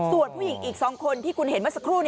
ส่วนผู้หญิงอีก๒คนที่คุณเห็นเมื่อสักครู่